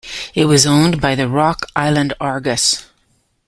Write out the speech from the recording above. It was owned by the Rock Island Argus.